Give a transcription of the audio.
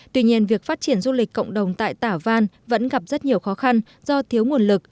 tuy nhiên việc phát triển du lịch cộng đồng tại tả văn vẫn gặp rất nhiều khó khăn do thiếu nguồn lực